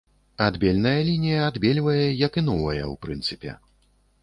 Адбельная лінія адбельвае, як і новая, у прынцыпе.